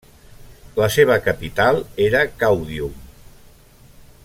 La seva capital era Caudium.